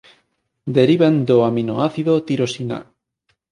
Derivan do aminoácido tirosina.